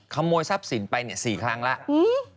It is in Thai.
ขโมยทรัพย์สินไปเนี่ย๔ครั้งแล้ว